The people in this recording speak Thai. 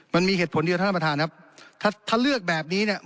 มันมีเหตุผลเดียวท่านประธานครับถ้าถ้าเลือกแบบนี้เนี่ย